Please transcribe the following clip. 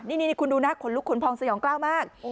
นี่คุณดูนะขนลุกขนพองสยองกล้าวมาก